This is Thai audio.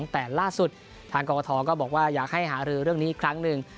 แต่ล่าสุดทางกรกฐก็บอกว่าอยากให้หารือเรื่องนี้อีกครั้งหนึ่ง